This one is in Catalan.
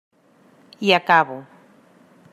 I acabo.